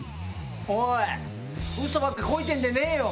おいウソばっかこいてんでねえよ！